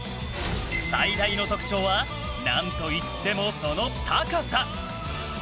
最大の特徴は何といっても、その高さ。